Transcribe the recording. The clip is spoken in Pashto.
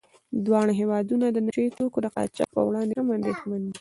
دواړه هېوادونه د نشه يي توکو د قاچاق په وړاندې هم اندېښمن دي.